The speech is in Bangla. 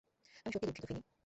আমি সত্যিই দুঃখিত, ফিনি।